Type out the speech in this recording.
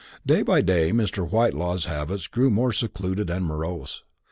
Day by day Mr. Whitelaw's habits grew more secluded and morose.